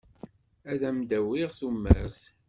Ad am-d-awiɣ tumert.